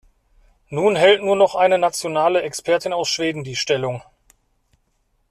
Nun hält nur noch eine nationale Expertin aus Schweden die Stellung.